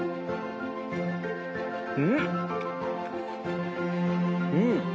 うん⁉うん！